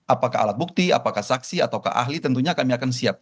apakah alat bukti apakah saksi ataukah ahli tentunya kami akan siap